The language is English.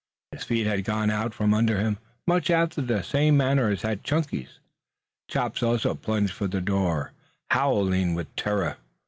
His feet had gone out from under him much after the same manner as had Chunky's. Chops also plunged for the door, howling with terror.